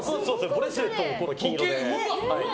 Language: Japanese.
ブレスレットも金色で。